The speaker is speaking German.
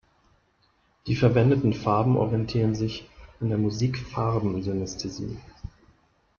Die verwendeten Farben orientieren sich an der Musik-Farben-Synästhesie.